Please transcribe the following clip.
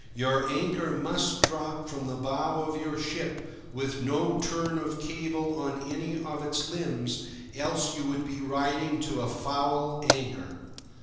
Your anchor must drop from the bow of your ship with no turn of cable on any of its limbs, else you would be riding to a foul anchor.